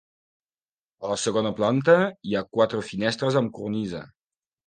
A la segona planta hi ha quatre finestres amb cornisa.